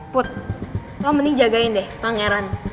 put kamu mending jagain deh pangeran